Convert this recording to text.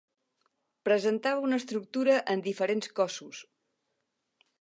Presentava una estructura en diferents cossos.